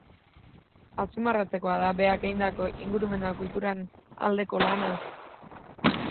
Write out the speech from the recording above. Azpimarratzekoa da berak egindako ingurumen eta kulturaren aldeko lana.